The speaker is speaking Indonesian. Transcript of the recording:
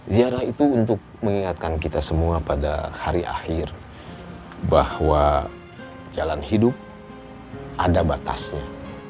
ziarah itu untuk mengingatkan kita semua pada hari akhir bahwa jalan hidup ada batasnya